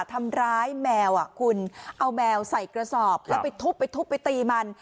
ทำร้ายแมวอ่ะคุณเอาแมวใส่กระสอบแล้วไปทุบไปทุบไปตีมัน